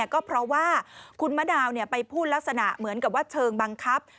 ก็เพราะว่าคุณมะนาวไปพูดลักษณะเหมือนกับว่าเชิงบังคับ